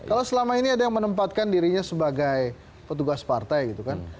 kalau selama ini ada yang menempatkan dirinya sebagai petugas partai gitu kan